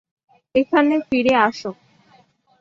এখানে ফিরে আসো!